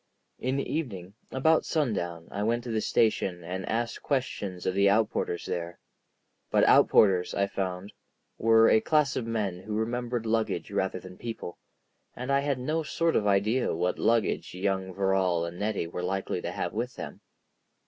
In the evening, about sundown, I went to the station and asked questions of the outporters there. But outporters, I found, were a class of men who remembered luggage rather than people, and I had no sort of idea what luggage young Verrall and Nettie were likely to have with them.